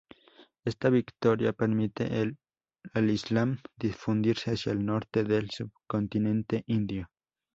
Esta victoria permitió al Islam difundirse hacia el norte del subcontinente indio.